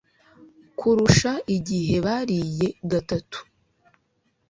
kurusha igihe bariye gatatu